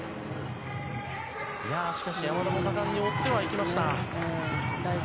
しかし、山田も果敢に追ってはいきました。